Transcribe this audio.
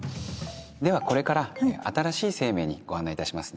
ではこれから新しい生命にご案内いたしますね。